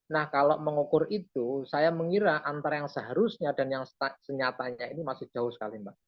nah kalau mengukur itu saya mengira antara yang seharusnya dan yang senyatanya ini masih jauh sekali mbak